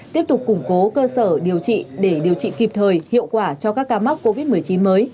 tiếp tục củng cố cơ sở điều trị để điều trị kịp thời hiệu quả cho các ca mắc covid một mươi chín mới